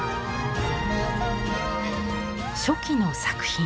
初期の作品。